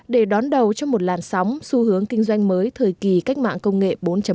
để đón đầu cho một làn sóng xu hướng kinh doanh mới thời kỳ cách mạng công nghệ bốn